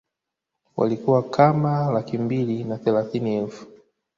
Walikuwa kama laki mbili na thelathini elfu